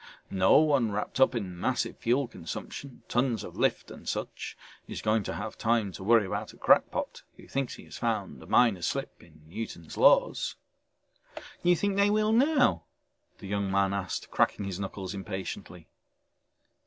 No one wrapped up in massive fuel consumption, tons of lift and such is going to have time to worry about a crackpot who thinks he has found a minor slip in Newton's laws." "You think they will now?" the young man asked, cracking his knuckles impatiently.